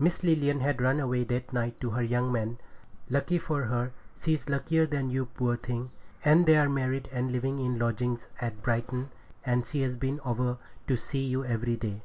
Miss Lilian had run away that night to her young man. Lucky for her! She's luckier than you, poor thing! And they're married and living in lodgings at Brighton, and she's been over to see you every day.'